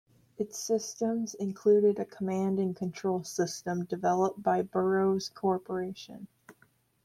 Its systems included a command and control system developed by Burroughs Corporation.